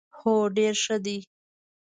هو، ډیر ښه دي